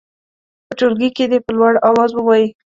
په ټولګي کې دې په لوړ اواز ووايي.